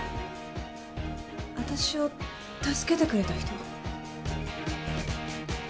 私を助けてくれた人。